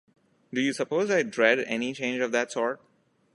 Do you suppose I dread any change of that sort?